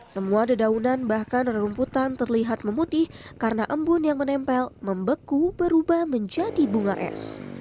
semua dedaunan bahkan rumputan terlihat memutih karena embun yang menempel membeku berubah menjadi bunga es